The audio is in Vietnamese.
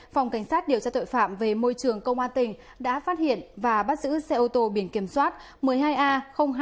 phòng cảnh sát điều tra tội phạm về môi trường công an tỉnh đã phát hiện và bắt giữ xe ô tô biển kiểm soát một mươi hai a hai nghìn hai trăm chín mươi bốn